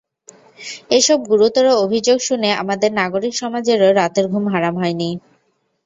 এসব গুরুতর অভিযোগ শুনে আমাদের নাগরিক সমাজেরও রাতের ঘুম হারাম হয়নি।